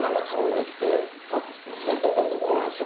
ここなんですよ。